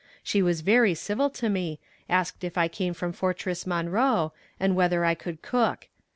She was very civil to me, asked if I came from Fortress Monroe, and whether I could cook.